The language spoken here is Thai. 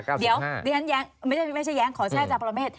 เดี๋ยวไม่ใช่แย้งขอแช่จับประเมษ